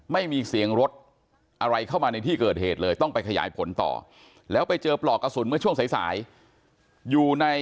ไม่มีเสียงรถอะไรเข้ามาในที่เกิดเหตุเลย